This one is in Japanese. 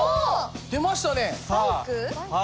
出ましたね。